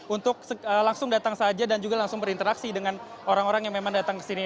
untuk langsung datang saja dan juga langsung berinteraksi dengan orang orang yang memang datang ke sini